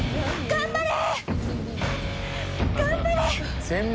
頑張れ！